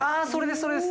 それです